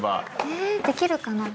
えできるかな。